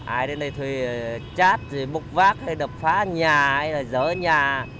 ai đến đây thì chát bục vác đập phá nhà giỡn nhà